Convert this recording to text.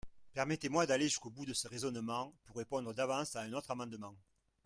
Permettez-moi d’aller jusqu’au bout de ce raisonnement, pour répondre d’avance à un autre amendement.